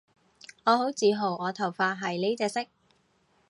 我好自豪我頭髮係呢隻色